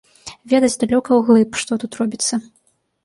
Ведаць далёка ўглыб, што тут робіцца.